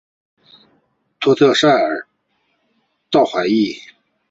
托特塞尔道海伊。